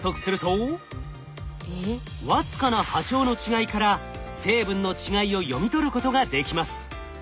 僅かな波長の違いから成分の違いを読み取ることができます。